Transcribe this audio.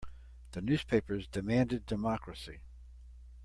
The newspapers demanded democracy.